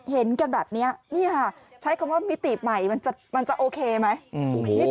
เห็นกันแบบนี้นี่ค่ะใช้คำว่ามิติใหม่มันจะโอเคไหม